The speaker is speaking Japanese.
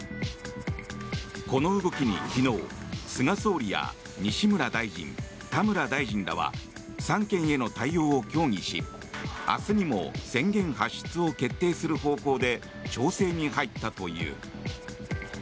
この動きに昨日菅総理や西村大臣、田村大臣らは３県への対応を協議し明日にも宣言発出を決定する方向で調整に入ったという。